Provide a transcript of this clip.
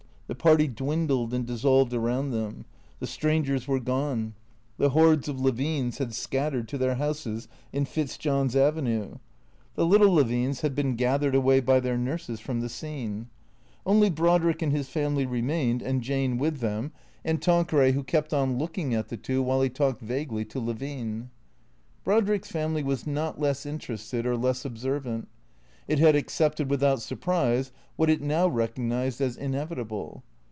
The party dwindled and dissolved around them. The strangers were gone. The hordes of Levines had scattered to their houses in Fitzjohn's Avenue. The little Le vines had been gathered away by their nurses from the scene. Only Brodrick and his family remained, and Jane with them, 17 266 T H E C K E A T 0 R S and Tanqueray who kept on looking at the two while he talked vaguely to Levine. Brodrick's family was not less interested or less observant. It had accepted without surprise what it now recognized as inevitable.